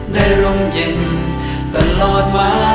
ร่มเย็นตลอดมา